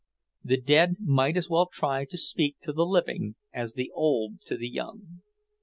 The dead might as well try to speak to the living as the old to the young.